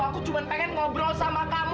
aku cuma pengen ngobrol sama kamu